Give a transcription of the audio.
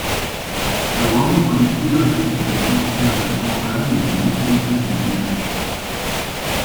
Ce roman policier restitue l'atmosphère de la campagne et les mentalités de village.